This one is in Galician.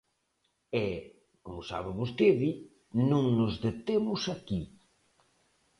E, como sabe vostede, non nos detemos aquí.